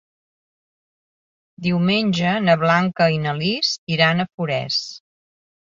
Diumenge na Blanca i na Lis iran a Forès.